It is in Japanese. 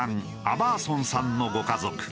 アバーソンさんのご家族。